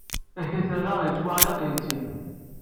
Akatar-a yettwaɛelleq yetti.